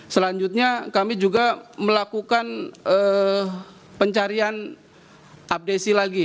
selanjutnya kami juga melakukan pencarian abdesi lagi